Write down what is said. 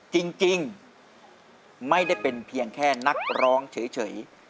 จริงไม่ได้เป็นเพียงแค่นักร้องเฉย